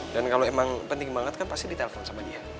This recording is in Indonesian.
dan kalo emang penting banget kan pasti di telpon sama dia